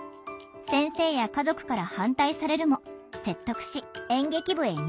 先生や家族から反対されるも説得し演劇部へ入部。